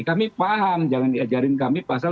kami paham jangan diajarin kami pasal tujuh puluh empat